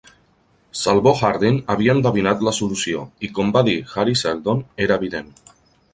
Salvor Hardin havia endevinat la solució i, com va dir Hari Seldon, era evident.